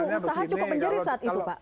karena pada awal psbb